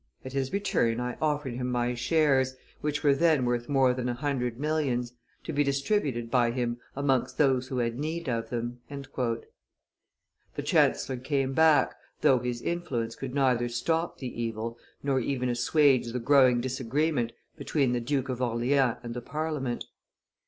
... At his return I offered him my shares, which were then worth more than a hundred millions, to be distributed by him amongst those who had need of them." The chancellor came back, though his influence could neither stop the evil, nor even assuage the growing disagreement between the Duke of Orleans and the Parliament.